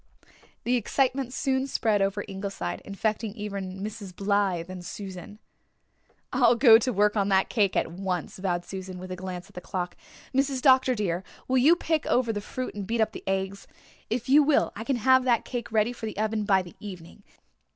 The excitement soon spread over Ingleside, infecting even Mrs. Blythe and Susan. "I'll go to work on that cake at once," vowed Susan, with a glance at the clock. "Mrs. Dr. dear, will you pick over the fruit and beat up the eggs? If you will I can have that cake ready for the oven by the evening.